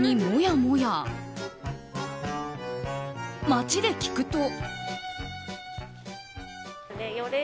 街で聞くと。